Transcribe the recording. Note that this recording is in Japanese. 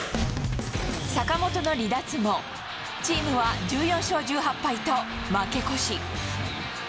坂本の離脱後、チームは１４勝１８敗と負け越し。